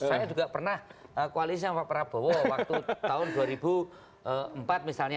saya juga pernah koalisi sama pak prabowo waktu tahun dua ribu empat misalnya